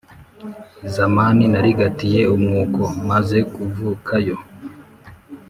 zamani narigatiye umwuko, mazekuvukayo